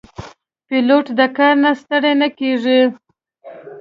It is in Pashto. پیلوټ د کار نه ستړی نه کېږي.